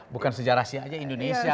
bukan sejarah si aja indonesia